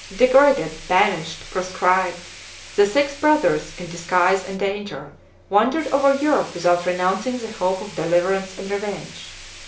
Degraded, banished, proscribed, the six brothers, in disguise and danger, wandered over Europe without renouncing the hope of deliverance and revenge.